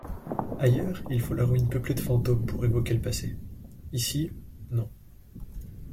Ailleurs, il faut la ruine peuplée de fantômes pour évoquer le passé ; ici, non.